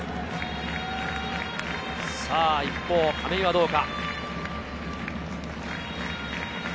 一方、亀井はどうか。